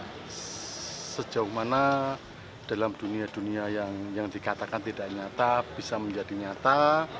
nah sejauh mana dalam dunia dunia yang dikatakan tidak nyata bisa menjadi nyata